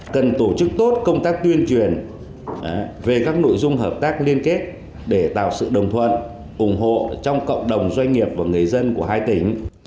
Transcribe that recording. cần tổ chức tốt công tác tuyên truyền về các nội dung hợp tác liên kết để tạo sự đồng thuận ủng hộ trong cộng đồng doanh nghiệp và người dân của hai tỉnh